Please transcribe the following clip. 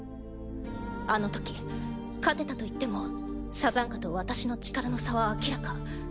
あのとき勝てたといってもサザンカと私の力の差は明らか。